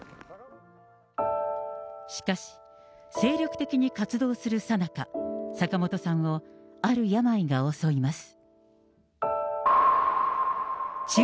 しかし、精力的に活動するさなか、坂本さんをある病が襲います。